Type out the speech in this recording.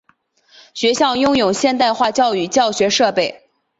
学校拥有现代化的教育教学设备。